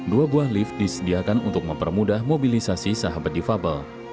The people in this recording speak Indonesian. dua buah lift disediakan untuk mempermudah mobilisasi sahabat difabel